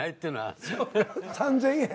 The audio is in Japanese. ３，０００円。